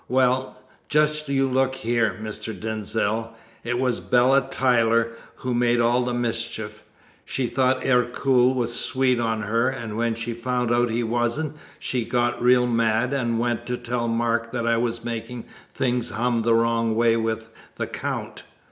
Well, just you look here, Mr. Denzil! It was Bella Tyler who made all the mischief. She thought Ercole was sweet on her, and when she found out he wasn't, she got real mad, and went to tell Mark that I was making things hum the wrong way with the Count.